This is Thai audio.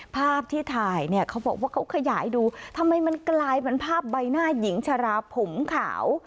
ภาพที่ถ่ายเนี่ยเขาบอกว่าเขาขยายดูทำไมมันกลายเป็นภาพใบหน้าหญิงชราผมขาว